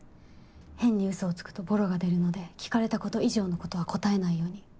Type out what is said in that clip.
変に嘘をつくとボロが出るので聞かれたこと以上のことは答えないように。